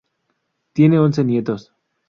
Tiene once nietos.